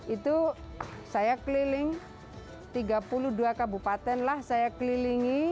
itu saya keliling tiga puluh dua kabupaten lah saya kelilingi